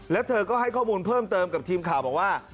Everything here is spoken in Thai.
แล้วเธอก็ให้ข้อมูลเพิ่มเติมกับทีมข่าวบอกว่า